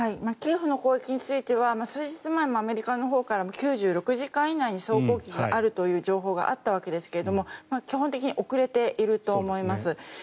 キエフの攻撃については数日前もアメリカのほうからも９６時間以内に総攻撃があるという情報があったわけですけれども基本的に遅れていると思います。